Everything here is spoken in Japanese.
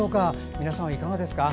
皆さんはいかがですか？